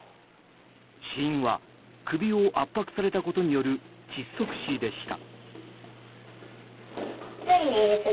死因は首を圧迫されたことによる窒息死でした。